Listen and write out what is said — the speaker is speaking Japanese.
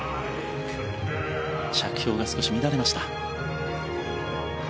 着氷が少し乱れました。